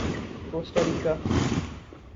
کوسٹا ریکا